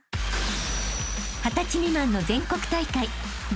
［二十歳未満の全国大会］